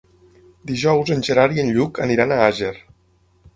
Dijous en Gerard i en Lluc aniran a Àger.